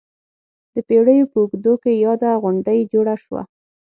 د پېړیو په اوږدو کې یاده غونډۍ جوړه شوه.